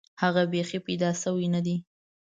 هغه بیخي پیدا شوی نه دی.